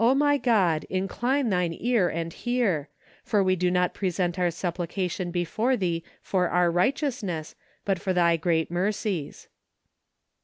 0 my God, incline thine ear, and hear; ... for ice do not present our supplications before thee for our righteousness, but for thy great mercies